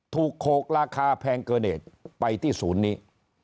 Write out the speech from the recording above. โขกราคาแพงเกินเหตุไปที่ศูนย์นี้